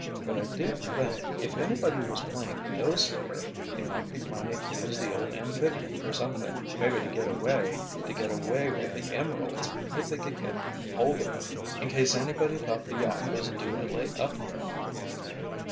But I did think—if anybody was playing ghost here, they might be planning to use the old amphibian for something—maybe to get away to get away with the emeralds if they could get hold of them—in case anybody thought the yacht was due to lay up here."